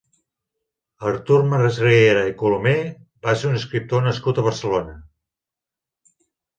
Artur Masriera i Colomer va ser un escriptor nascut a Barcelona.